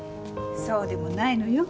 そうでもないのよ。